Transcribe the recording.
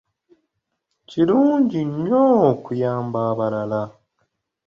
Kirungi nnyo okuyamba abalala.